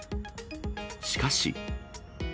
しかし。